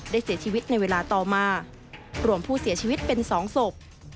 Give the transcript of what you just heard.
เสียชีวิตในเวลาต่อมารวมผู้เสียชีวิตเป็น๒ศพ